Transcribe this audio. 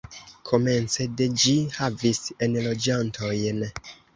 Komence de ĝi havis enloĝantojn.